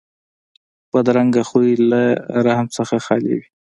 بدرنګه خوی له رحم نه خالي وي